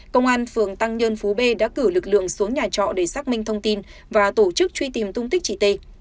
công an phường tăng nhân phú b đã cử lực lượng xuống nhà trọ để xác minh thông tin và tổ chức truy tìm tung tích chị t